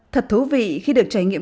thật thú vị khi được trải nghiệm